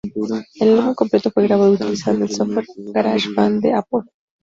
El álbum completo fue grabado utilizando el software GarageBand de Apple.